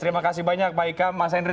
terima kasih banyak pak ika mas henry